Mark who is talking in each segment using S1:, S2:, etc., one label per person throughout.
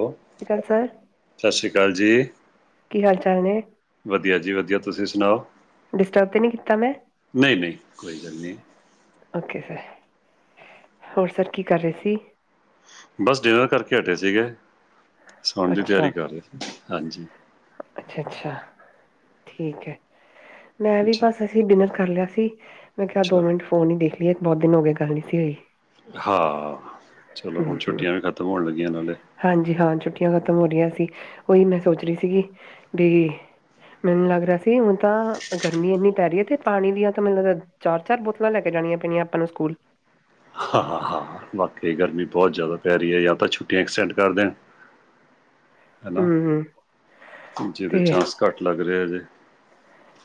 S1: ਉ
S2: ਸਤਿ ਸ਼੍ਰੀ ਅਕਾਲ ਸਰ
S1: ਸਸ ਸ੍ਰੀ ਕਾਲ ਜੀ।
S2: ਕੀ ਹਾਲ ਚਾਲ ਨੇ।
S1: ਵਧੀਆ ਜੀ ਵਧੀਆ ਤੁਸੀਂ ਸੁਣਾਓ।
S2: ਡਿਸਟਰਬ ਤੇ ਨੀ ਕੀਤਾ ਮੈਂ?
S1: ਨਹੀਂ-ਨਹੀਂ ਕੋਈ ਗੱਲ ਨਹੀਂ।
S2: ਓਕੇ ਫੇਰ ਹੋਰ ਸਰ ਕੀ ਕਰ ਰਹੇ ਸੀ।
S1: ਬਸ ਡਿਨਰ ਕਰਕੇ ਹੱਟੇ ਸੀਗੇ ਸਉਣ ਦੀ ਤਿਆਰੀ ਕਰ ਰਹੇ ਸੀ ਹਾਂਜੀ।
S2: ਅੱਛਾ-ਅੱਛਾ ਠੀਕ ਹੈ ਮੈਂ ਵੀ
S1: ਜੀ
S2: ਬਸ ਡਿਨਰ ਕਰ ਲਿਆ ਸੀ ਮੈਂ ਕਿਹਾ ਦੋ
S1: ਅੱਛਾ
S2: ਮਿੰਟ ਫੋਨ ਨ ਦੇਖ ਲਈਏ ਇੱਕ ਬਹੁਤ ਦਿਨ ਹੋ ਗਏ ਗੱਲ ਨੀ ਸੀ ਹੋਈ।
S1: ਹਾਂ ਚਲੋ
S2: ਹੂੰ
S1: ਹੁਣ
S2: ਹੂੰ
S1: ਛੁੱਟੀਆਂ ਵੀ ਖਤਮ ਹੋਣ ਲੱਗੀਆਂ ਨਾਲੇ।
S2: ਹਾਂਜੀ ਹਾਂ ਛੁੱਟੀਆਂ ਖਤਮ ਹੋ ਰਹੀਆ ਸੀ ਉਹੀ ਮੈਂ ਸੋਚ ਰਹੀ ਸੀਗੀ ਵੀ ਮੈਨੂੰ ਲੱਗ ਰਿਹਾ ਸੀ, ਹੁਣ ਤਾਂ ਗਰਮੀ ਇੰਨੀ ਪੈ ਰਹੀ ਹੈ, ਤੇ ਪਾਣੀ ਦੀਆਂ ਤਾਂ ਮੈਨੂੰ ਲੱਗਦਾ ਚਾਰ -ਚਾਰ ਬੋਤਲਾਂ ਲੈ ਕੇ, ਜਾਣੀਆਂ ਪੈਣੀਆਂ ਆਪਾਂ ਨੂੰ ਸਕੂਲ।
S1: ਹਾ -ਹਾ, ਵਾਕਈ ਗਰਮੀ ਬਹੁਤ ਜ਼ਿਆਦਾ ਪੈ ਰਹੀ ਹੈ। ਜਾਂ ਤਾਂ ਛੁੱਟੀਆਂ ਐਕਸਟੈਂਡ ਕਰ ਦੇਣ
S2: [inaudible]
S1: ਹਨਾ,
S2: ਹੂੰ,
S1: ਜਿਹਦੇ
S2: ਤੇ
S1: ਚਾਂਸ ਘੱਟ ਲੱਗ ਰਹੇ ਹਜੇ।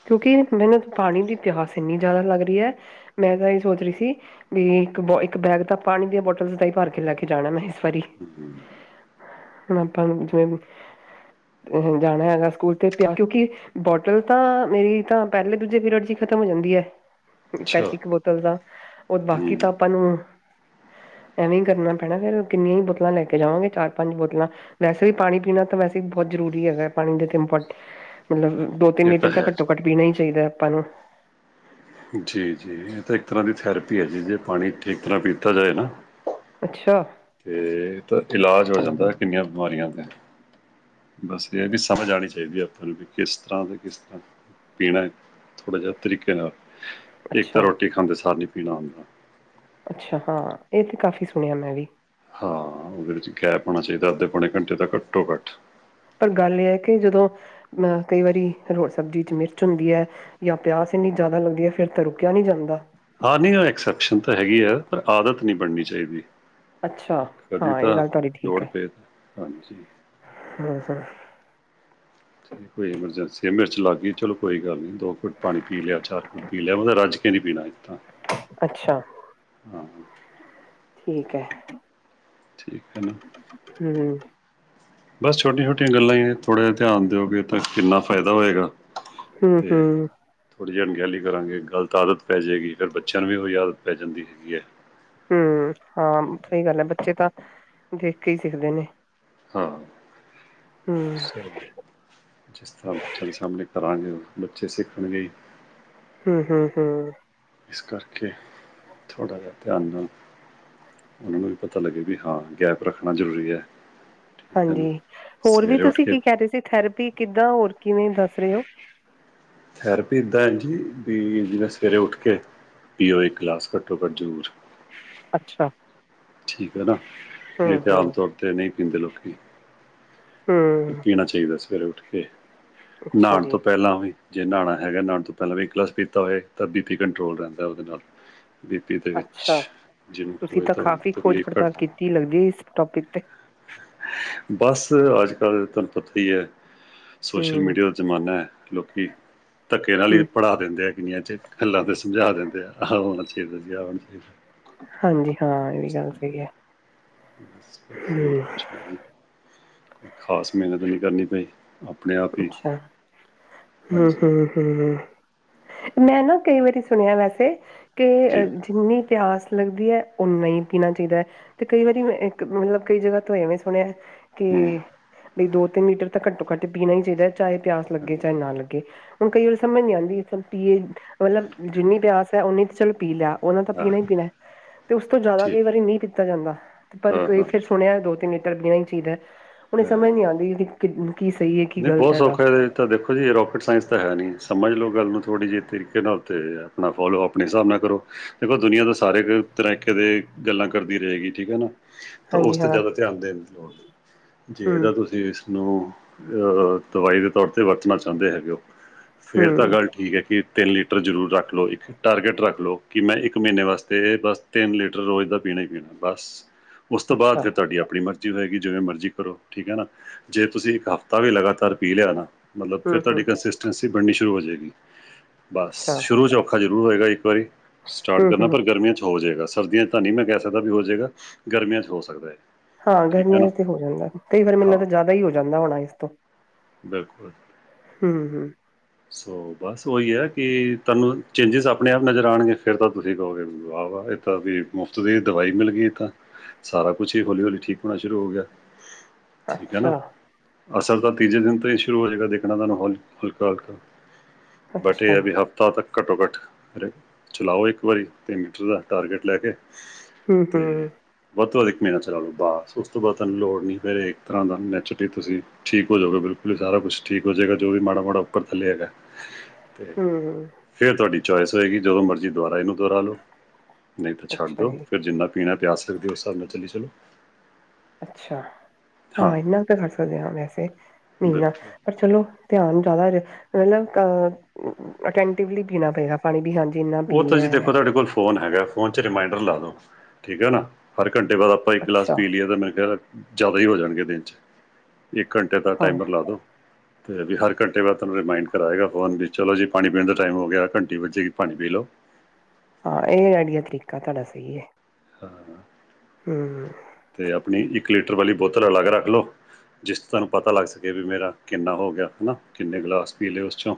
S2: ਕਿਉਂਕਿ ਮੈਨੂੰ, ਪਾਣੀ ਦੀ ਪਿਆਸ, ਇੰਨੀ ਜ਼ਿਆਦਾ ਲੱਗ ਰਹੀ ਹੈ, ਮੈਂ ਤਾਂ ਇਹ ਸੋਚ ਰਹੀ ਸੀ। ਵੀ, ਇੱਕ ਬ, ਇੱਕ ਬੈਗ ਤਾਂ, ਪਾਣੀ ਦੀਆਂ ਬੋਟਲ ਦਾ ਹੀ ਭਰ ਕੇ ਲੈ ਕੇ ਜਾਣਾ, ਮੈਂ ਇਸ ਵਾਰੀ।
S1: [unintelligible]
S2: ਹੁਣ, ਆਪਾਂ ਨੂੰ ਜਿਵੇਂ ਅ, ਜਾਣਾ ਹੈਗਾ ਸਕੂਲ ਤੇ, ਪਿਆ ਕਿਉਂਕਿ ਬੋਟਲ ਤਾਂ ਮੇਰੀ, ਤਾਂ, ਪਹਿਲੇ ਦੂਜੇ ਪੀਰੀਅਡ ਚ ਹੀ ਖ਼ਤਮ ਹੋ ਜਾਂਦੀ ਹੈ।
S1: ਅੱਛਾ
S2: ਪੈੰਤੀ ਕ ਬੋਤਲ ਦਾ, ਉਹ ਬਾਕੀ
S1: ਹੂੰ
S2: ਤਾਂ ਆਪਾਂ ਨੂੰ ਐਵੇਂ ਈ ਕਰਨਾ ਪੈਣਾ ਫੇਰ, ਕਿੰਨੀਆਂ ਹੀ ਬੋਤਲਾਂ ਲੈ ਕੇ ਜਾਵਾਂਗੇ, ਚਾਰ, ਪੰਜ ਬੋਤਲਾਂ। ਵੈਸੇ ਵੀ, ਪਾਣੀ ਪੀਣਾ ਤਾਂ ਵੈਸੇ ਹੀ, ਬਹੁਤ ਜਰੂਰੀ ਹੈਗਾ। ਪਾਣੀ ਦੇ ਇਮਪਟ, ਮਤਲਬ ਦੋ, ਤਿੰਨ
S1: ਇਹ
S2: ਲੀਟਰ ਤਾਂ,
S1: ਹੈ
S2: ਘੱਟੋ
S1: ਜੀ
S2: -ਘੱਟ ਪੀਣਾ ਹੀ ਚਾਹੀਦਾ, ਆਪਾਂ ਨੂੰ।
S1: ਜੀ -ਜੀ ਇਹ ਤਾਂ, ਇੱਕ ਤਰ੍ਹਾਂ ਦੀ ਥੈਰੇਪੀ ਹੈ, ਜੀ ਜੇ ਪਾਣੀ ਠੀਕ ਤਰ੍ਹਾਂ ਪੀਤਾ ਜਾਏ ਨਾ।
S2: ਅੱਛਾ।
S1: ਤੇ, ਤਾਂ ਇਲਾਜ ਹੋ ਜਾਂਦਾ, ਕਿੰਨੀਆਂ ਬਿਮਾਰੀਆਂ ਦਾ। ਬਸ ਇਹ ਹੈ ਵੀ, ਸਮਝ ਆਉਣੀ ਚਾਈਦੀ ਏ, ਆਪਾਂ ਨੂੰ ਵੀ। ਇਸ ਤਰ੍ਹਾਂ ਤੇ, ਇਸ ਤਰ੍ਹਾਂ ਪੀਣਾ ਹੈ, ਥੋੜ੍ਹਾ ਜਿਹਾ ਤਰੀਕੇ ਨਾਲ। ਇੱਕ ਤਾਂ,
S2: ਅੱਛਾ
S1: ਰੋਟੀ ਖਾਂਦੇ ਸਾਰ ਨੀ, ਪੀਣਾ ਹੁੰਦਾ।
S2: ਅੱਛਾ, ਹਾਂ, ਇਹ ਤੇ, ਕਾਫ਼ੀ ਸੁਣਿਆ ਮੈਂ ਵੀ।
S1: ਹਾਂ, ਉਹਦੇ ਵਿੱਚ ਗੈਪ ਚਾਹੀਦਾ, ਅੱਧੇ -ਪੌਣੇ ਘੰਟੇ ਦਾ ਘੱਟੋ ਘੱਟ।
S2: ਪਰ ਗੱਲ ਇਹ ਹੈ। ਕਿ ਜਦੋਂ ਅਹ ਕਈ ਵਾਰੀ, ਰੋਟੀ ਸਬਜ਼ੀ ਚ ਮਿਰਚ ਹੁੰਦੀ ਹੈ। ਜਾਂ, ਪਿਆਸ ਇੰਨੀ ਜ਼ਿਆਦਾ ਲੱਗਦੀ ਹੈ। ਫਿਰ ਤਾਂ ਰੁਕਿਆ ਨਹੀਂ ਜਾਂਦਾ।
S1: ਹਾਂ, ਨਹੀਂ ਉਹ ਐਕਸੈਪਸ਼ਨ ਤਾਂ ਹੈਗੀ ਹੈ, ਪਰ ਆਦਤ ਨਹੀਂ ਬਣਨੀ ਚਾਹੀਦੀ।
S2: ਅੱਛਾ
S1: ਕਦੀ,
S2: ਹਾਂ ਇਹ
S1: ਤਾਂ,
S2: ਗੱਲ
S1: ਲੋੜ ਪਏ, ਹਾਂਜੀ।
S2: ਹੂੰ- ਹੂੰ।
S1: ਕੋਈ ਐਮਰਜੈਂਸੀ ਹੈ, ਮਿਰਚ ਲੱਗ ਗਈ, ਚਲੋ ਕੋਈ ਗੱਲ ਨਹੀਂ, ਦੋ ਘੁੱਟ ਪਾਣੀ ਪੀ ਲਿਆ, ਚਾਰ ਘੁਟ ਪੀ ਲਿਆ, ਮਤਲਬ ਰਜਕੇ ਨਹੀਂ ਪੀਣਾ ਇਸ ਤਰ੍ਹਾਂ।
S2: ਅੱਛਾ।
S1: ਹਾਂ।
S2: ਠੀਕ ਹੈ।
S1: ਠੀਕ ਹੈ ਨਾ।
S2: ਹੂੰ।
S1: ਬਸ ਛੋਟੀਆਂ- ਛੋਟੀਆਂ ਗੱਲਾਂ ਹੀ, ਨੇ ਥੋੜ੍ਹਾ ਜਿਹਾ ਧਿਆਨ ਦਿਓ, ਕਿ ਕਿੰਨਾ ਫਾਇਦਾ ਹੋਏਗਾ? !
S2: ਹੂੰ -ਹੂੰ।
S1: ਥੋੜ੍ਹੀ ਜਿਹੀ, ਅਣਗਹਿਲੀ ਕਰਾਂਗੇ, ਗਲਤ ਆਦਤ ਪੈ ਜਾਏਗੀ, ਫਿਰ ਬੱਚਿਆਂ ਨੂੰ ਵੀ ਉਹੀ ਆਦਤ ਪੈ ਜਾਂਦੀ ਹੈਗੀ ਏ।
S2: ਹਮ, ਹਾਂ ਸਹੀ ਗੱਲ ਹੈ। ਬੱਚੇ ਤਾਂ ਦੇਖ ਕੇ ਹੀ ਸਿੱਖਦੇ ਨੇ।
S1: ਹਾਂ,
S2: ਹਮ
S1: ਸੋ ਜਿਸ ਤਰ੍ਹਾਂ ਬੱਚਿਆਂ ਦੇ, ਸਾਹਮਣੇ ਕਰਾਂਗੇ ਬੱਚੇ ਸਿੱਖਣਗੇ।
S2: ਹਮ- ਹਮ, ਹਮ।
S1: ਇਸ ਕਰਕੇ, ਥੋੜ੍ਹਾ ਜਿਹਾ ਧਿਆਨ ਨਾਲ ਉਹਨਾਂ ਨੂੰ ਵੀ, ਪਤਾ ਲੱਗੇ ਵੀ, ਹਾਂ ਗੈਪ ਰੱਖਣਾ ਜ਼ਰੂਰੀ ਹੈ। ਠੀਕ ਹੈ ਨਾ
S2: ਹਾਂਜੀ, ਹੋਰ ਵੀ
S1: ਸਵੇਰੇ ਉੱਠ
S2: ਤੁਸੀਂ
S1: ਕੇ
S2: ਕੀ ਕਹਿ ਰਹੇ ਸੀ? ਥੈਰੇਪੀ ਕਿੱਦਾਂ ਹੋਰ ਕਿਵੇਂ ਦੱਸ ਰਹੇ ਹੋ
S1: ਥੈਰਪੀ, ਇਦਾਂ ਹੈ ਜੀ, ਵੀ ਜਵੇੈਂ ਸਵੇਰੇ ਉੱਠ ਕੇ ਇੱਕ ਦ੍ਰ ਗਲਾਸ ਘੱਟੋ ਘੱਟ ਜ਼ਰੂਰ
S2: ਅੱਛਾ।
S1: ਠੀਕ ਹੈ ਨਾ,
S2: ਹਮ
S1: ਨਹੀਂ ਤੇ ਆਮ
S2: ਹਮ
S1: ਤੌਰ, ਤੇ ਨਹੀਂ ਪੀਂਦੇ ਲੋਕੀ।
S2: ਹੂ
S1: ਪੀਣਾ, ਚਾਹੀਦਾ ਸਵੇਰੇ ਉੱਠ ਕੇ,
S2: ਅੱਛਾ
S1: ਨਹਾਣ
S2: ਜੀ
S1: ਤੋਂ ਪਹਿਲਾਂ ਵੀ। ਜੇ ਨਾਣਾ ਹੈਗੈ ਨਾਣ ਤੋਂ ਪੈਲਾਂ ਵੀ ਇੱਕ ਗਲਾਸ ਪੀਤਾ ਓਵੇ, ਤਾਂ ਬੀ ਪੀ ਕੰਟਰੋਲ ਰੈਂਦੈ ਓਦੇ ਨਾਲ। ਬੀ ਪੀ ਦੇ
S2: ਅੱਛਾ
S1: ਵਿੱਚ, ਜਿੰਮ
S2: ਤੁਸੀਂ
S1: ਹੋਏ ਤਾਂ
S2: ਕਾਫ਼ੀ ਖੋਜ
S1: ਤਕਲੀਫ ਘੱਟ
S2: ਪੜਤਾਲ ਕੀਤੀ ਲੱਗਦੀ ਇਸ ਟੋਪਿਕ ਤੇ।
S1: ਬਾੱਸ ਆੱਜ-ਕਾੱਲ੍ਹ ਤੁਆਨੂੰ ਪਤਾ ਈ ਐ, ਸੋਸ਼ਲ
S2: ਹੂੰ
S1: ਮੀਡੀਆ ਜ਼ਮਾਨਾ ਏ ਲੋਕੀ, ਤੱਕੇ ਨਾਲ ਈ,
S2: ਹੂੰ
S1: ਪੜ੍ਹਾ ਦਿੰਦੇ ਐ ਦੁਨੀਆਂ ਚ, ਗੱਲਾਂ ਤੇ ਸਮਝਾ ਦਿੰਦੇ ਐ ਆਹ ਹੋਨਾ ਚਾਹੀਦਾ ਜੀ।
S2: ਹਾਂਜੀ ਹਾਂ
S1: ਤਾਂ
S2: ਐ ਵੀ
S1: ਉਸ
S2: ਗਾੱਲ
S1: ਤਰ੍ਹਾਂ ਹੀ
S2: ਸਈ ਐ,
S1: ਹੈ ਬਸ ਬਸ ਹੋਰ
S2: ਹੂੰ।
S1: ਕੁਝ ਖਾਸ ਮੇਨਤ ਨੀ ਕਰਨੀ ਪਈ। ਅਪਣੇ ਆਪ ਈ, ਹਾਂਜੀ।
S2: ਹ, ਮੈਂ ਨਾ ਕਈ ਵਾਰੀ ਸੁਨਿਆ ਵੈਸੇ, ਕੇ
S1: ਜੀ
S2: ਜਿੰਨੀ ਪਿਆਸ ਲਗਦੀ ਐ, ਓਨਾ ਈ ਪੀਨਾ ਚਾਈਦੈ। ਤੇ ਕਈ ਵਾਰੀ ਹੋਏ ਇੱਕ ਮਤਲਬ ਕਈ ਜਗ੍ਹਾ ਤੋਂ ਏਵੇਂ ਸੁਣੇਐ
S1: ਹੂੰ
S2: ਕੀ, ਬਈ ਦੋ-ਤਿੰਨ ਲੀਟਰ ਤਾਂ ਘੱਟੋ ਘੱਟ ਪੀਨਾ ਈ ਚਾਇਦੈ ਚਾਏ ਪਿਆਸ ਲੱਗੇ
S1: ਹਾਂਜੀ,
S2: ਚਾਏ ਨਾ ਲੱਗੇ। ਹੁਨ ਕਈ ਵਾਰੀ ਸਮਝ ਨੀ ਆੰਦੀ ਚਲ ਪੀਏ ਮਤਲਬ ਜਿੰਨੀ ਪਿਆਸ ਐ ਓਨੀ ਤੇ ਚਲ ਪੀ ਲੇਆ ਓਨਾਂ ਤਾ
S1: ਹਾਂ
S2: ਪੀਨਾ ਈ ਪੀਨੈ ਤੇ ਉਸ ਤੋਂ ਜਾਦਾ ਕਈ
S1: ਠੀਕ
S2: ਵਾਰੀ ਨਈ ਪੀਤਾ ਜਾਂਦਾ, ਪਰ
S1: ਹਾਂ
S2: ਕਈ
S1: ਹਾਂ
S2: ਫੇਰ ਸੁਨੇਐ ਦੋ-ਤਿੰਨ ਲੀਟਰ ਪੀਣਾ ਈ ਚਾਇਦਾ, ਹੁਣ ਏ ਸਮਝ ਨਈ ਆੰਦੀ [unintelligible] ਕੀ ਸਈ ਏ।
S1: ਨੀ ਬੋਤ ਸੌਖਾ ਜੇ। ਤਾਂ ਦੇਖੋ ਜੀ ਰੋਕਟ ਸਾਇੰਸ ਤਾਂ ਹੈ ਨਹੀਂ, ਸਮਝ ਲਓ ਗੱਲ ਨੂੰ ਥੋੜ੍ਹੀ ਜਿਹੀ ਤਰੀਕੇ ਨਾਲ ਤੇ ਆਪਣਾ ਫੋਲੋ ਆਪਣੇ ਹਿਸਾਬ ਨਾਲ ਕਰੋ। ਦੇਖੋ ਦੁਨੀਆਂ ਤੇ ਸਾਰੇ ਤਰੈਕੇ ਦੇ ਗੱਲਾਂ ਕਰਦੀ ਰਏਗੀ ਠੀਕ ਏ ਨਾ, ਤਾਂ ਓਸ
S2: ਹਾਂਜੀ ਹਾਂ
S1: ਤੇ ਜ਼ਿਆਦਾ ਤਿਆਨ ਦੇਨ ਦੀ ਲੋੜ ਨੀ। ਜੇ
S2: ਹਮ
S1: ਤਾਂ ਤੁਸੀਂ ਨੂੰ, ਅ ਦਵਾਈ ਦੇ ਤੌਰ ਤੇ ਵਰਤਨਾ ਚਾੰਦੇ ਹੈਗੇ ਓ ਫੇਰ ਤਾਂ
S2: ਹਮ
S1: ਗੱਲ ਠੀਕ ਹੈ ਕਿ ਤਿੰਨ ਲੀਟਰ ਜ਼ਰੂਰ ਰੱਖ ਲਓ ਇੱਕ ਟਾਰਗੇਟ ਰੱਖ ਲਓ, ਕਿ ਮੈਂ ਇੱਕ ਮਹੀਨੇ ਵਾਸਤੇ ਬਾੱਸ ਤਿੰਨ ਲੀਟਰ ਰੋਜ਼ ਦਾ ਪੀਣਾ ਈ ਪੀਣੈ ਬਾੱਸ। ਉਸ ਤੋਂ ਬਾਅਦ
S2: ਅੱਛਾ
S1: ਫੇਰ ਤੁਹਾਡੀ ਅਪਣੀ ਮਰਜ਼ੀ ਹੋਏਗੀ ਜਿਵੇਂ ਮਰਜ਼ੀ ਕਰੋ ਠੀਕ ਏ ਨਾ, ਜੇ ਤੁਸੀਂ ਇੱਕ ਹਫ ਤਾਵੀ ਲਗਾਤਾਰ ਪੀ ਲੇਆ ਨਾ, ਮਤਲਬ ਫੇਰ
S2: ਹਮ
S1: ਤੁਆਡੀ
S2: ਹਮ
S1: ਕੰਸਿਸਟੈਂਸੀ ਬਣਨੀ ਸ਼ੁਰੂ ਹੋ ਜੇਗੀ। ਬਾੱਸ
S2: ਅੱਛਾ
S1: ਸ਼ੁਰੂ ਚ ਔਖਾ ਜ਼ਰੂਰ ਹੋਏਗਾ ਇੱਕ ਵਾਰੀ, ਸਟਾਰਟ
S2: ਹਮ
S1: ਕਰਨਾ
S2: ਹਮ
S1: ਪਰ ਗਰਮੀਆਂ ਚ ਹੋ ਜੇਗਾ ਸਰਦੀਆਂ ਤਾਂ ਨੀ ਮੈਂ ਕੈ ਸਕਦਾ ਵੀ ਹੋ ਜੇਗਾ।
S2: ਹਾਂ
S1: ਨਾ
S2: ਗਰਮੀਆਂ ਚ ਤੇ ਹੋ ਜਾਂਦਾ ਵੇ ਕਈ ਵਾਰ ਮੈਨ
S1: ਹਾਂ
S2: ਲੱਗਦੈ ਜਾਦਾ ਈ ਓ ਜਾਂਦਾ ਹੋਣਾ ਇਸ ਤੋਂ
S1: ਬਿਲਕੁਲ।
S2: ਹੂੰ, ਹੂੰ।
S1: ਸੋ ਬਾੱਸ ਓਈ ਐ ਕੀ ਤਾਨੂੰ ਚੇਂਜਿਸ ਅਪਣੇ ਆਪ ਨਜ਼ਰ ਆਣਗੇ ਫੇਰ ਤਾਂ ਤੁਸੀਂ ਕਓਗੇ ਵਾ-ਵਾ ਏ ਤਾਂ ਵੀ ਮੁਫ਼ਤ ਦੀ ਦਵਾਈ ਮਿਲ ਗਈ ਏ ਤਾਂ। ਸਾਰਾ ਕੁਛ ਈ ਹੌਲੀ-ਹੌਲੀ ਠੀਕ ਹੋਣਾ ਸ਼ੁਰੂ ਹੋ ਗੇਆ। ਠੀਕ ਏ ਨਾ,
S2: ਅੱਛਾ
S1: ਅਸਰ ਤਾਂ ਤੀਜੇ ਦਿਨ ਤੋਂ ਈ ਸ਼ੁਰੂ ਹੋਜੇ ਗਾ ਦੇਖਣਾ ਤੁਹਾਨੂੰ ਹੋਲ, ਹੁਲ [unintelligible] ਬਟ ਏ
S2: ਅੱਛਾ
S1: ਆ ਵੀ ਹਫ਼ ਤਾ ਤਕ ਘੱਟੋ-ਘਾੱਟ ਚਲਾਓ ਇੱਕ ਵਾਰੀ, ਤਿੰਨ ਲੀਟਰ ਦਾ ਟਾਰਗੇਟ ਲੈ ਕੇ।
S2: ਹਮ
S1: ਤੇ
S2: ਹਮ
S1: ਵੱਧ ਤੋਂ ਵੱਧ ਇੱਕ ਮਹੀਨਾ ਚਲਾ ਲੋ ਬਾੱਸ, ਉਸ ਤੋਂ ਬਾਦ ਤਾਨੂੰ ਲੋੜ ਨੀ ਫੇਰ ਏਕ ਤਰ੍ਹਾਂ ਦਾ ਨੈਚਰਲੀ ਤੁਸੀਂ ਠੀਕ ਓ ਜੋਗੇ ਬਿਲਕੁਲ ਈ ਸਾਰਾ ਕੁਛ ਠੀਕ ਹੋ ਜੇਗਾ ਜੋ ਵੀ ਮਾੜਾ-ਮਾੜਾ ਉਪਰ ਥੱਲੇ ਹੈਗਾ ਤੇ
S2: ਹਮ
S1: ਫੇਰ ਤੁਹਾਡੀ ਚੋਏਸ ਹੋਏਗੀ ਜਦੋਂ ਮਰਜ਼ੀ ਦੁਬਾਰਾ ਇਨੂੰ ਦੋਰਾ ਲੋ ਨਹੀਂ ਤਾਂ ਛੱਡ
S2: ਅੱਛਾ
S1: ਦੋ,
S2: ਜੀ
S1: ਫੇਰ ਜਿੰਨਾ ਪੀਣਾ ਪਿਆਸ ਲੜੀ ਹੈ ਹ ਉਸ ਹਿਸਾਬ ਨਾਲ ਚੱਲੀ ਚਲੌ
S2: ਅੱਛਾ, ਹਾਂ ਇੰਨਾ ਤਾਂ ਕਰ ਸਕਦੇ ਹਾਂ ਵੈਸੇ, ਮੀਨਾ
S1: ਬਿਲਕੁਲ
S2: ਪਰ ਚਲੋ ਧਿਆਨ ਜ਼ਿਆਦਾ ਮਤਲਬ ਅਟੈਂਟਿਵਲੀ ਪੀਣਾ ਪਏਗਾ ਪਾਣੀ ਵੀ, ਹਾਂਜੀ ਇੰਨਾ
S1: ਉਹ
S2: ਪੀ
S1: ਤਾਂ
S2: ਲਿਆ
S1: ਜੀ
S2: ਹੈ।
S1: ਦੇਖੋ ਤੁਹਾਡੇ ਕੋਲ ਫੋਨ ਹੈਗਾ ਫੋਨ 'ਚ ਰਿਮਂਡਰ ਲਾ ਦਿਉ ਠੀਕ ਹੈ ਨਾ ਹਰ ਘੰਟੇ ਬਾਅਦ ਆਪਾਂ ਇੱਕ ਗਲਾਸ
S2: ਅੱਛਾ
S1: ਪੀ ਲਈਏ ਤਾਂ ਮੇਰੇ ਖਿਆਲ ਹੈ ਜ਼ਿਆਦਾ ਈ ਹੋ ਜਾਣਗੇ ਦਿਨ ਚ ਇੱਕ ਘੰਟੇ ਦਾ
S2: ਹਾਂ
S1: ਟਾਈਮਰ ਲਾ ਦੋ। ਤੇ ਵੀ ਹਰ ਘੰਟੇ ਬਾਅਦ ਤੁਹਾਨੂੰ ਰਿਮੰਡ ਕਰਾਏਗਾ ਫੋਨ ਵੀ ਚਲੋ ਜੀ ਪਾਣੀ ਪੀਣ ਦਾ ਟਾਈਮ ਹੋ ਗਿਆ ਘੰਟੀ ਵੱਜੀ ਪਾਣੀ ਪੀ ਲਓ।
S2: ਹਾਂ, ਇਹ ਵਾਲਾ ਤਰੀਕਾ ਤੁਹਾਡਾ ਸਹੀ ਹੈ।
S1: ਹਾਂ।
S2: ਇਹ
S1: ਤੇ ਆਪਣੀ ਇੱਕ ਲੀਟਰ ਵਾਲੀ ਬੋਤਲ ਅਲੱਗ ਰੱਖ ਲਓ ਜਿਸ ਚ ਤਾਨੂੰ ਪਤਾ ਲੱਗ ਸਕੇ ਵੀ ਮੇਰਾ ਕਿੰਨਾ ਹੋ ਗੇਆ ਹਨਾ ਕਿੰਨੇ ਗਲਾਸ ਪੀ ਲਏ ਓਸ ਚੋ।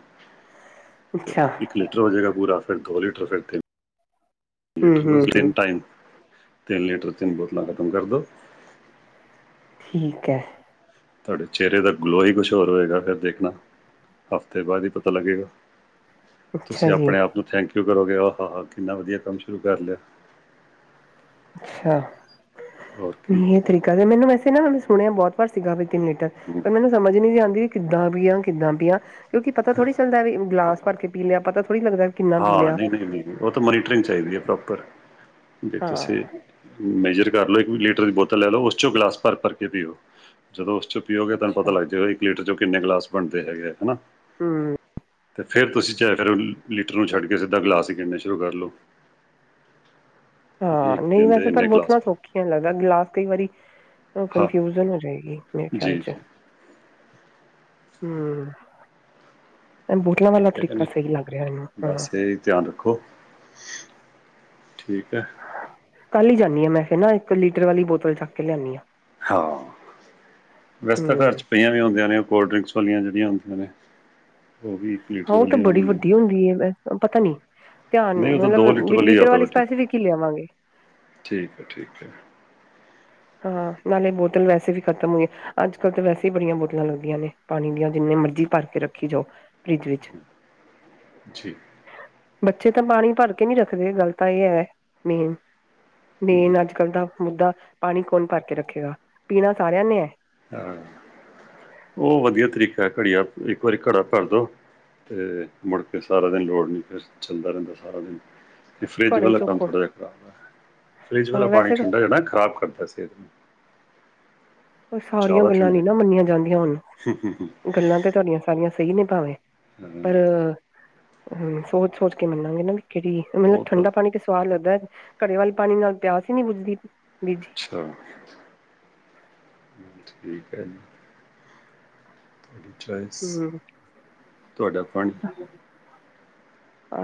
S2: ਹਾਂ।
S1: ਤੇ ਇੱਕ ਲੀਟਰ ਓ ਜੇਗਾ ਪੂਰਾ ਫੇਰ ਦੋ ਲੀਟਰ ਫੇਰ ਤੇਨ ਲੀਟਰ ਬਾੱਸ
S2: ਹਮ ਹਮ
S1: ਤਿੰਨ ਟਾਈਮ, ਤਿੰਨ ਲੀਟਰ ਤਿੰਨ ਬੋਤਲਾਂ ਖਤਮ ਕਾਰਦੋ।
S2: ਠੀਕ ਐ।
S1: ਤੁਹਾਡੇ ਚਿਹਰੇ ਦਾ ਗਲੋ ਹੀ ਕੁਛ ਹੋਰ ਹੋਏਗਾ ਫਿਰ ਦੇਖਣਾ ਹਫ਼ਤੇ ਬਾਅਦ ਹੀ ਪਤਾ ਲੱਗੇਗਾ
S2: ਅੱਛਾ
S1: ਤੁਸੀਂ
S2: ਜੀ
S1: ਆਪਣੇ ਆਪ ਨੂੰ ਥੈਂਕ ਯੂ ਕਰੋਗੇ ਆ ਹਾ ਹਾ ਕਿੰਨਾ ਵਧੀਆ ਕੰਮ ਸ਼ੁਰੂ ਕਰ ਲਿਆ
S2: ਅੱਛਾ,
S1: ਹੋਰ ਕੀ
S2: ਨਈ ਤਰੀਕਾ ਤੇ ਮੈਨੂੰ ਵੈਸੇ ਨਾ ਓਨਾਂ ਨੇ ਸੁਨੇਆ ਬੋਤ ਵਾਰ ਸੀਗਾ ਵੀ ਤਿੰਨ ਲੀਟਰ।
S1: ਹੂੰ।
S2: ਪਰ ਮੈਨੂੰ ਸਮਝ ਨਹੀਂ ਆਉਂਦੀ ਵੀ ਕਿੱਦਾਂ ਪੀ ਕਿੱਦਾਂ ਪੀਆਂ ਕਿਉਂਕਿ ਪਤਾ ਥੋੜੀ ਚੱਲਦਾ ਵੀ ਗਲਾਸ ਭਰ ਕੇ ਪੀਲਿਆ ਪਤਾ ਥੋੜੀ ਲੱਗਦਾ ਕਿੰਨਾ ਪੀ
S1: ਹਾਂ
S2: ਲਿਆ
S1: ਨਹੀਂ-ਨਹੀਂ ਨਹੀਂ ਉਹ ਤਾਂ ਮੋਨੀਟਰਿੰਗ ਚਾਹੀਦੀ ਹੈ ਪ੍ਰੋਪਰ ਜੇ
S2: ਹਾਂ
S1: ਤੁਸੀ ਮੇਜਰ ਕਰ ਲਓ ਇੱਕ ਵੀ ਲੀਟਰ ਦੀ ਬੋਤਲ ਲੈ ਲਓ ਉਸ ਚੋਂ ਗਲਾਸ ਭਰ ਭਰ ਕੇ ਪੀਓ ਜਦੋਂ ਉਸ ਚੋਂ ਪੀਓਗੇ ਤੁਹਾਨੂੰ ਪਤਾ
S2: ਅੱਛਾ
S1: ਲੱਗ ਜੇਗਾ ਇੱਕ ਲੀਟਰ ਚੋਂ ਕਿੰਨੇ ਗਲਾਸ ਬਣਦੇ ਹੈਗੇ ਆ ਹਨਾ।
S2: ਹੂੰ।
S1: ਤੇ ਫਿਰ ਤੁਸੀ ਚਾਏ ਕਰੋ ਲੀਟਰ ਨੂੰ ਛੱਡ ਕੇ ਸਿੱਧਾ ਗਲਾਸ ਹੀ ਗਿਣਨੇ ਸ਼ੁਰੂ ਕਰ ਲਉ
S2: ਹਾਂ, ਨਹੀਂ
S1: ਦਿੰਦੇ
S2: ਵੈਸੇ ਪਰ
S1: ਇੰਨੇ
S2: ਬੁਥ
S1: ਗਲਾਸ
S2: ਨਾ ਸੋਕੀ ਲੱਗਦਾ ਗਲਾਸ ਕਈ ਵਾਰੀ
S1: ਹਾਂ
S2: ਕਨਫਿਊਜਨ ਹੋ ਜਾਏਗੀ ਮੇਰੇ
S1: ਜੀ
S2: ਖਿਆਲ ਚ
S1: ਜੀ
S2: ਹਮ ਇਹ ਬੋਤਲਾਂ ਵਾਲਾ
S1: ਠੀਕ ਹੈ ਕਿ
S2: ਤਰੀਕਾ
S1: ਨਹੀਂ
S2: ਸਹੀ ਲੱਗ ਰਿਹਾ ਮੈਨੂੰ ਹਾਂ।
S1: ਬਸ ਇਹ ਹੀ ਧਿਆਨ ਰੱਖੋ ਠੀਕ ਹੈ
S2: ਕੱਲ ਹੀ ਜਾਂਦੀ ਆ ਮੈਂ ਫਿਰ ਨਾ ਇੱਕ ਲੀਟਰ ਵਾਲੀ ਬੋਤਲ ਚੱਕ ਕੇ ਲਿਆਦੀ ਹਾਂ
S1: ਹਾਂ, ਵੈਸੇ ਤਾਂ ਘਰ
S2: ਹਮ
S1: 'ਚ ਪਈਆਂ ਵੀ ਹੁੰਦੀਆਂ ਨੇ, ਉਹ ਕੋਲਡ ਡਰਿੰਕਸ ਵਾਲੀਆਂ ਜਿਹੜੀਆਂ ਹੁੰਦੀਆਂ ਨੇ ਉਹ ਵੀ ਇਸ ਲਏ
S2: ਹਾਂ ਉਹ ਤਾਂ ਬੜੀ ਵਧੀਆ ਹੁੰਦੀ ਹੈ ਪਤਾ ਨੀ। ਧਿਆਨ
S1: ਨਹੀਂ ਉਹ ਤਾਂ
S2: ਮਤਲਬ
S1: ਆ
S2: ਲੀਟਰ ਵਾਲੀ ਤਾਂ
S1: ਬੇਟੀ
S2: ਅਸੀਂ ਵੀ ਇੱਕ ਹੀ ਲਿਆਵਾਂਗੇ।
S1: ਠੀਕ ਹੈ, ਠੀਕ ਹੈ।
S2: ਹਾਂ ਨਾਲੇ ਬੋਤਲ ਵੈਸੇ ਵੀ ਖ਼ਤਮ ਹੋਈ ਹੈ ਅੱਜ ਕੱਲ੍ਹ ਤਾਂ ਵੈਸੇ ਹੀ ਬੜੀਆਂ ਬੋਤਲਾਂ ਲੱਗਦੀਆਂ ਨੇ ਪਾਣੀ ਦੀਆਂ ਜਿੰਨੀਆਂ ਮਰਜ਼ੀ ਭਰ ਕੇ ਰੱਖੀ ਜਾਓ ਫਰਿੱਜ ਵਿੱਚ।
S1: ਠੀ [unintelligible]
S2: ਬੱਚੇ ਤਾਂ ਪਾਣੀ ਭਰ ਕੇ ਨਹੀਂ ਰੱਖਦੇ ਗੱਲ ਤਾਂ ਇਹ ਹੈ ਮੇਨ ਮੇਨ ਅੱਜ ਕੱਲ ਦਾ ਮੁੱਦਾ ਪਾਣੀ ਕੌਣ ਭਰ ਕੇ ਰੱਖੇਗਾ ਪੀਣਾ ਸਾਰਿਆ ਨੇ ਹੈ।
S1: ਹਾਂ ਉਹ ਵਧੀਆ ਤਰੀਕਾ ਘੜੀਆ ਇੱਕ ਵਾਰੀ ਘੜਾ ਭਰ ਦੋ। ਅਤੇ ਮੁੜਕੇ ਕੇ ਸਾਰਾ ਦਿਨ ਲੋੜ ਨਹੀਂ ਫਿਰ ਚੱਲਦਾ ਰਹਿੰਦਾ ਸਾਰਾ ਦਿਨ ਤੇ ਫਰਿੱਜ
S2: ਘੜੇ
S1: ਵਾਲਾ ਕੰਮ
S2: ਚੋਖੋ
S1: ਥੋੜ੍ਹਾ ਜਿਹਾ ਖਰਾਬ ਹੈ, ਫਰਿੱਜ ਵਾਲਾ
S2: ਹਾਂ
S1: ਪਾਣੀ
S2: ਵੈਸੇ ਤਾਂ
S1: ਠੰਡਾ ਜਿਹੜਾ ਖਰਾਬ ਕਰਦਾ ਸਿਹਤ ਨੂੰ
S2: ਉਹ ਸਾਰੀਆਂ
S1: ਜ਼ਿਆਦਾ
S2: ਗੱਲਾਂ ਨੀ
S1: ਠੰਡਾ
S2: ਨਾ ਮੰਨੀਆਂ ਜਾਂਦੀਆਂ ਹੁਣ,
S1: ਹਾਂ
S2: ਗੱਲਾਂ ਤੇ ਤੁਹਾਡੀਆਂ ਸਾਰੀਆਂ ਸਹੀ ਨੇ ਭਾਵੇਂ। ਪਰ, ਅਮ, ਸੋਚ-ਸੋਚ ਕੇ ਮੰਨਾਗੇ ਨਾ ਕਿ ਕਿਹੜੀ ਮੈਂਨੂੰ
S1: ਉਹ ਤਾਂ
S2: ਠੰਡਾ ਪਾਣੀ ਕੇ ਸਵਾਦ ਲੱਗਦਾ ਘੜੇ ਵਾਲੀ ਪਾਣੀ ਨਾਲ ਪਿਆਸ ਹੀ ਨੀ ਬੁਜਦੀ ਵੀਰ ਜੀ।
S1: ਅੱਛਾ ਠੀਕ ਹੈ ਜੀ। ਅੱਛਾ ਜੀ।
S2: ਹਮ ਹਾਂ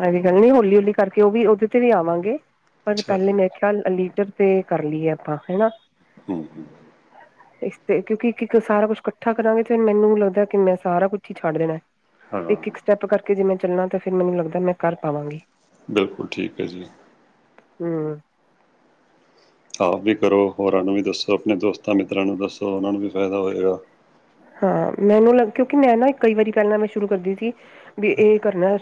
S2: ਐਂਵੇ ਗੱਲ ਨੀ ਹੌਲੀ-ਹੌਲੀ ਕਰਕੇ ਉਹ ਵੀ ਉਹਦੇ ਤੇ ਵੀ ਆਵਾਂਗੇ ਪਰ
S1: ਅੱਛਾ
S2: ਪਹਿਲੇ
S1: ਜੀ
S2: ਮੈਂ ਚੱਲ ਅ ਲੀਟਰ ਤੇ ਕਰ ਲਈਏ ਆਪਾ ਹਨਾ।
S1: ਹੂੰ-ਹੂੰ
S2: ਇਸ ਤੇ ਕਿਉਂਕਿ ਇੱਕ-ਇੱਕ ਸਾਰਾ ਕੁਛ ਕੱਠਾ ਕਰਾਂਗੇ ਫਿਰ ਮੈਨੂੰ ਨਹੀਂ ਲੱਗਦਾ ਕਿ ਮਸ ਸਾਰਾ ਕੁੱਛ ਹੀ ਛੱਡ ਦੇਣਾ,
S1: ਹਾਂ
S2: ਇੱਕ-ਇੱਕ ਸਟੈਪ ਕਰਕੇ ਜੇ ਮੈਂ ਚੱਲਣਾ ਤਾਂ ਫਿਰ ਮੈਨੂੰ ਲੱਗਦਾ ਮੈਂ ਕਰ ਪਾਵਾਂਗੀ।
S1: ਬਿਲਕੁਲ ਠੀਕ ਹੈ ਜੀ।
S2: ਹਮ
S1: ਆਪ ਵੀ ਕਰੋ ਹੋਰਾਂ ਨੂੰ ਵੀ ਦੱਸੋ ਆਪਣੇ ਦੋਸਤਾਂ ਮਿੱਤਰਾਂ ਨੂੰ ਦੱਸੋ ਉਹਨਾਂ ਨੂੰ ਵੀ ਫਾਇਦਾ ਹੋਏਗਾ
S2: ਹਾਂ ਮੈਨੂੰ ਲੱਗ ਕਿਉਂਕਿ ਮੈਂ ਨਾ ਕਈ ਵਾਰੀ ਕਰਨਾ ਮੈਂ ਸ਼ੁਰੂ ਕਰਦੀ ਸੀ ਵੀ ਇਹ ਕਰਨਾ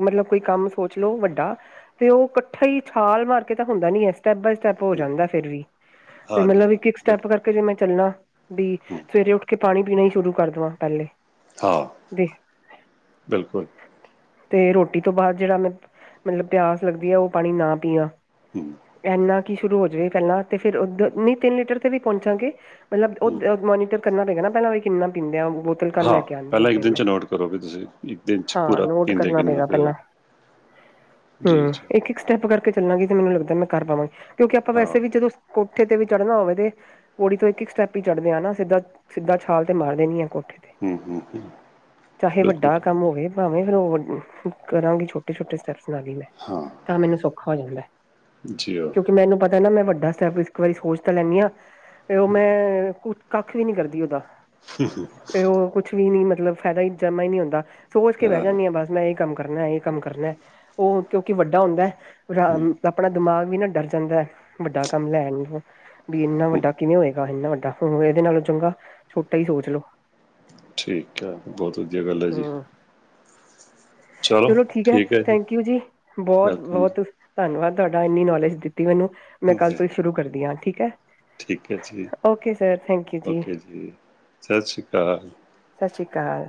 S2: ਮਤਲਬ ਕੋਈ ਕੰਮ ਸੋਚ ਲੋੋ ਵੱਡਾ ਤੇ ਉਹ ਕੱਠਾ ਹੀ ਛਾਲ ਮਾਰ ਕੇ ਤਾਂ ਹੁੰਦਾ ਨੀ ਹੈ। ਸਟੈਪ ਬਾਏ ਸਟੈਪ ਹੋ
S1: ਹੂੰ,
S2: ਜਾਂਦਾ ਫਿਰ ਵੀ, ਤੇ
S1: ਹਾਂ ਜੀ
S2: ਮਤਲਬ
S1: ਹਾਂ
S2: ਇੱਕ-ਇੱਕ
S1: ਬਿਲਕੁਲ
S2: ਸਟੈਪ ਕਰਕੇ ਜੇ ਮੈਂ ਚੱਲਣਾ ਬੀ
S1: ਹੂੰ,
S2: ਸਵੇਰੇ ਉੱਠ ਕੇ ਪਾਣੀ ਪੀਣਾ ਹੀ ਸ਼ੁਰੂ ਕਰ ਦਵਾਂ ਪਹਿਲੇ
S1: ਹਾਂ
S2: ਦੇ
S1: ਬਿਲਕੁਲ।
S2: ਤੇ ਰੋਟੀ ਤੋਂ ਬਾਦ ਜਿਹੜਾ ਮ ਮਤਲਬ ਪਿਆਸ ਲੱਗਦੀ ਹੈ ਉਹ ਪਾਣੀ ਨਾ ਪੀਆ।
S1: ਹਮ
S2: ਇੰਨਾ ਕਿ ਸ਼ੁਰੂ ਹੋ ਜਾਵੇ ਪਹਿਲਾਂ ਤੇ ਫਿਰ ਉ ਨੀ ਤਿੰਨ ਲੀਟਰ ਤੇ ਵੀ ਪਹੁੰਚਾਂਗੇ। ਮਤਲਬ
S1: ਹੂੰ,
S2: ਉਹ ਮੋਨੀਟਰ ਕਰਨਾ ਪਏਗਾ ਨਾ ਪਹਿਲਾਂ ਵੀ ਕਿੰਨਾ ਪੀਂਦੇ ਹਾਂ ਬੋ ਬਤਲ ਕੱਲ ਲੈ
S1: ਹਾਂ
S2: ਕੇ ਆਉਂਦੀ ਹਾਂ
S1: ਪਹਿਲਾਂ ਇੱਕ
S2: ਫਿਰ
S1: ਦਿਨ
S2: ਮੈਂ
S1: ਚ ਨੋਟ ਕਰੋ ਵੀ ਤੁਸੀਂ ਇੱਕ ਦਿਨ ਚ
S2: ਹਾਂ
S1: ਪੂਰਾ
S2: ਨੋਟ
S1: ਪੀਂਦੇ
S2: ਕਰਨਾ
S1: ਕਿੰਨਾ
S2: ਪਏਗਾ ਪਹਿਲਾ।
S1: ਪਿਓ ਜੀ
S2: ਹਮ
S1: ਜੀ
S2: ਇੱਕ ਇੱਕ ਸਟੈਪ ਕਰਕੇ ਚੱਲਾਂਗੇ ਤੇ ਮੈਨੂੰ ਲੱਗਦਾ ਮੈਂ ਕਰ ਪਾਵਾਂਗੀ ਕਿਉਂਕਿ ਆਪਾਂ
S1: ਹਾਂ
S2: ਵੈਸੇ ਵੀ ਜਦੋਂ ਕੋਠੇ ਤੇ ਵੀ ਚੜ੍ਹਨਾ ਹੋਵੇ ਤੇ, ਪੋੜੀ ਤੋਂ ਇੱਕ-ਇੱਕ ਸਟੈਪ ਹੀ ਚੜ੍ਹਦੇ ਆ ਨਾ ਸਿੱਧਾ ਸਿੱਧਾ ਛਾਲ ਤੇ ਮਾਰਦੇ ਨੀ ਹੈ ਕੋਠੇ ਤੇ,
S1: ਹੂੰ ਹੂੰ ਹੂੰ,
S2: ਚਾਹੇ
S1: ਬਿਲਕੁਲ
S2: ਵੱਡਾ
S1: ਠੀਕ।
S2: ਕੰਮ ਹੋਵੇ ਭਾਵੇਂ ਫੇਰ ਹੋਰ, ਕਰਾਂਗੀ ਛੋਟੇ-ਛੋਟੇ ਸਟੈਪਸ ਨਾਲ ਹੀ ਮੈਂ
S1: ਹਾਂ
S2: ਤਾਂ ਮੈਨੂੰ ਸੌਖਾ ਹੋ ਜਾਂਦਾ
S1: ਜੀ ਹਾਂ
S2: ਕਿਉਂਕਿ ਮੈਨੂੰ ਪਤਾ ਮੈਂ ਵੱਡਾ ਸਟੈਪ ਇੱਕ ਵਾਰੀ ਸੋਚ ਤਾਂ ਲੈਂਦੀ ਹਾਂ, ਤੇ ਉਹ ਮੈਂ ਕੁ ਕੱਖ ਵੀ ਨਹੀਂ ਕਰਦੀ ਦੀ ਉਹਦਾ।
S1: [unintelligible]
S2: ਫਿਰ ਉਹ ਕੁੱਛ ਵੀ ਨੀ, ਮਤਲਬ ਫਾਇਦਾ ਹੀ ਜਮਾ ਹੀ ਨਹੀਂ ਹੁੰਦਾ, ਸੋਚ ਕੇ ਬਹਿ
S1: ਹਾਂ,
S2: ਜਾਂਦੀ ਆ ਬਸ ਮੈਂ ਇਹ ਕੰਮ ਕਰਨਾ ਇਹ ਕੰਮ ਕਰਨਾ ਉਹ ਕਿਉਂਕਿ ਵੱਡਾ ਹੁੰਦਾ
S1: ਹੂੰ
S2: ਰਾਮ ਆਪਣਾ ਦਿਮਾਗ ਵੀ ਨਾ ਡਰ ਜਾਂਦਾ ਵੱਡਾ ਕੰਮ ਲੈਣ ਨੂੰ ਬੀ ਇੰਨਾ
S1: ਹੂੰ,
S2: ਵੱਡਾ ਕਿਵੇਂ ਹੋਏਗਾ ਇੰਨਾ ਵੱਡਾ। ਹ ਇਹਦੇ ਨਾਲੋਂ ਚੰਗਾ ਛੋਟਾ ਹੀ ਸੋਚ ਲੋਓ
S1: ਠੀਕ ਹੈ ਬਹੁਤ ਵਧੀਆ ਗੱਲ ਹੈ ਜੀ।
S2: ਹਮ ਚਲੋ ਠੀਕ ਹੈ ਥੈਂਕ ਯੂ ਜੀ
S1: ਵੈਲਕਮ
S2: ਬੋਹਤ-ਬੋਹਤ ਧੰਨਵਾਦ ਤੁਹਾਡਾ ਇੰਨੀ ਨੌਲੇਜ ਦਿੱਤੀ ਮੈਨੂੰ ਮੈਂ ਕੱਲ
S1: ਜੀ
S2: ਤੋਂ ਹੀ ਸ਼ੁਰੂ ਕਰਦੀ ਹਾਂ, ਠੀਕ ਹੈ
S1: ਠੀਕ
S2: ਓਕੇ ਸਰ ਥੈਂਕ ਯੂ ਜੀ।
S1: ਤੇ ਸਸ ਸ੍ਰੀ ਕਾਲ।
S2: ਸਸ ਸ੍ਰੀ ਕਾਲ।